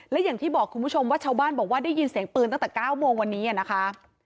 และอย่างที่บอกคุณผู้ชมว่าชาวบ้านบอกว่าได้ยินเสียงปืนตั้งแต่๙โมงวันนี้นะคะ